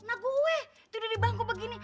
nah gue tidur di bangku begini